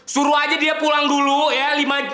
suruh aja dia pulang dulu ya